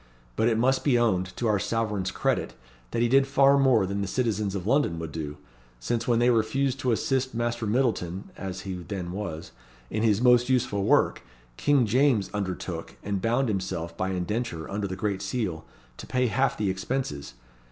But it must be owned, to our sovereign's credit, that he did far more than the citizens of London would do; since when they refused to assist Master Myddleton (as he then was) in his most useful work, King James undertook, and bound himself by indenture under the great seal, to pay half the expenses.